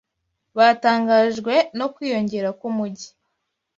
Batangajwe no kwiyongera kwumujyi.